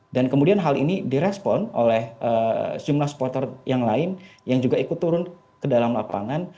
dan kemudian hal ini direspon oleh sejumlah supporter yang lain yang juga ikut turun ke dalam lapangan